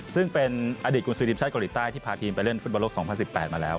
ซึ่งเป็นอดีตกุญศือทีมชาติเกาหลีใต้ที่พาทีมไปเล่นฟุตบอลโลก๒๐๑๘มาแล้ว